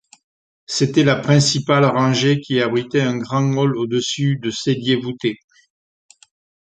C'était la principale rangée, qui abritait un grand hall au-dessus de celliers voûtés.